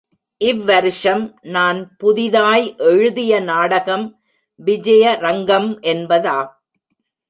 இவ் வருஷம் நான் புதிதாய் எழுதிய நாடகம் விஜய ரங்கம் என்பதாம்.